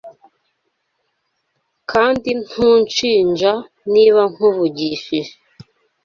Kandi ntunshinja niba nkuvugishije